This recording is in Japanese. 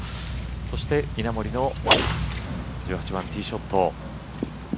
そして稲森の１８番ティーショット。